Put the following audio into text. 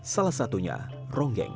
salah satunya ronggeng